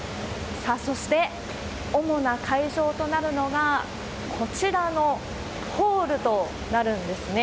さあ、そして主な会場となるのが、こちらのホールとなるんですね。